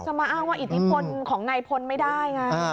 จะมาอ้างว่าอิทธิพลของในพลไม่ได้